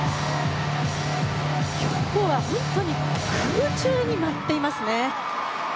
今日は本当に空中に舞っていますね。